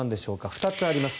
２つあります。